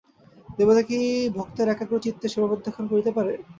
দেবতা কি ভক্তের একাগ্রচিত্তের সেবা প্রত্যাখ্যান করিতে পারে!